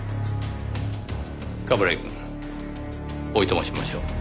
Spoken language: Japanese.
冠城くんおいとましましょう。